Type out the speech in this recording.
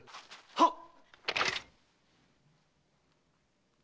はっ！